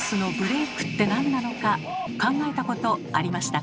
考えたことありましたか？